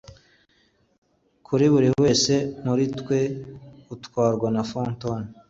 kuri buri wese muri twe atwarwa na fantom,